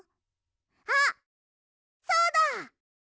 あっそうだ！